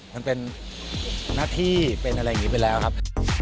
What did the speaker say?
มันเป็นหน้าที่เป็นอะไรอย่างนี้ไปแล้วครับ